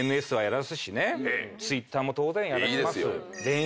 Ｔｗｉｔｔｅｒも当然やらせます。